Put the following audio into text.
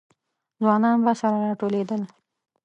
ځوانان به سره راټولېدل.